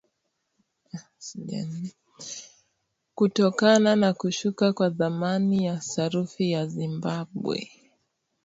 kutokana na kushuka kwa thamani ya sarafu ya Zimbabwe